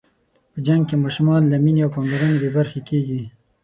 په جنګ کې ماشومان له مینې او پاملرنې بې برخې کېږي.